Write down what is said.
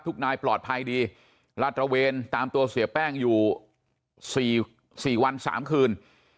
นายปลอดภัยดีลาดตระเวนตามตัวเสียแป้งอยู่๔วัน๓คืน